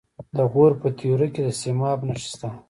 د غور په تیوره کې د سیماب نښې شته.